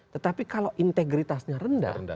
tetapi kalau integritasnya rendah